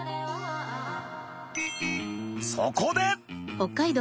そこで！